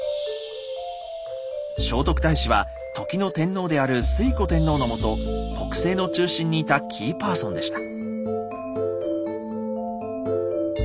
聖徳太子は時の天皇である推古天皇のもと国政の中心にいたキーパーソンでした。